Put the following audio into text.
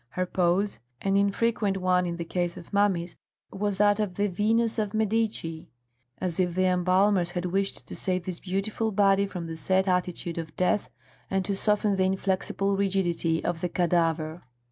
Her pose, an infrequent one in the case of mummies, was that of the Venus of Medici, as if the embalmers had wished to save this beautiful body from the set attitude of death and to soften the inflexible rigidity of the cadaver.